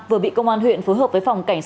vừa bị công an huyện phối hợp với phòng cảnh sát